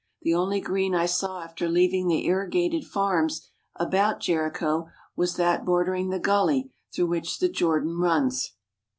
The only green I saw after leaving the irrigated farms about Jericho was that bordering the gully through which the Jordan runs.